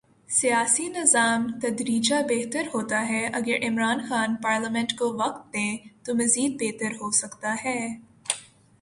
سیاسی نظام تدریجا بہتر ہوتا ہے اگر عمران خان پارلیمنٹ کو وقت دیں تو مزید بہتر ہو سکتا ہے۔